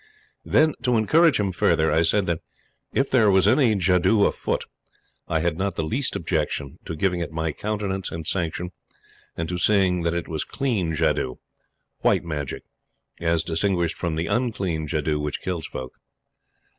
Then, to encourage him further, I said that, if there was any jadoo afoot, I had not the least objection to giving it my countenance and sanction, and to seeing that it was clean jadoo white magic, as distinguished from the unclean jadoo which kills folk.